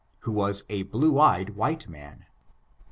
who was a blue eyed white man.